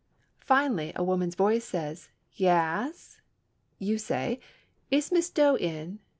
Finally a woman's voice says, "Yass." You say, "Is Miss Doe in?"